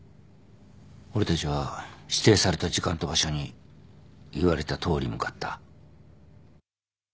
俺たちは指定された時間と場所に言われたとおり向かった。